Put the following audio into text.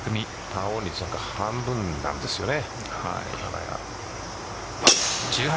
パーオン率が約半分なんですよね、金谷は。